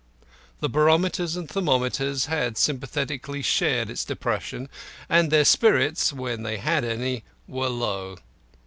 The barometers and thermometers had sympathetically shared its depression, and their spirits (when they had any) were low.